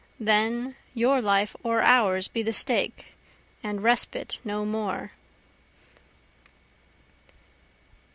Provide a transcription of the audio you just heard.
then your life or ours be the stake, and respite no more.